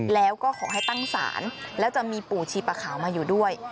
แล้วก็ขอให้ตั้งศาลแล้วจะมีปู่ชีปะขาวมาอยู่ด้วย